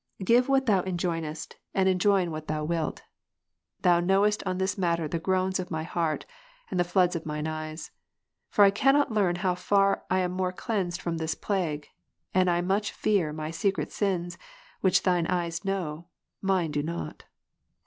Give what Thou enjoinest, and Praise not to be avoided. 217 enjoin what Thou wilt. Thou knowest on this matter the groans of my hearty and the floods of mine eyes. For I cannot learn how far I am more cleansed from this plague, and I much fear my secret 5?«5, which Thine eyes know, mine do not.